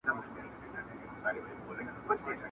وکړه.